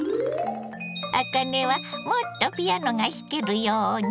あかねは「もっとピアノがひけるように」。